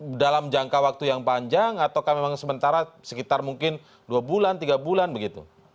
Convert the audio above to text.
dalam jangka waktu yang panjang ataukah memang sementara sekitar mungkin dua bulan tiga bulan begitu